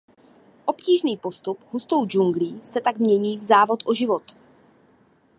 Obtížný postup hustou džunglí se tak mění v závod o život.